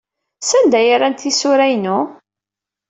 Sanda ay rrant tisura-inu?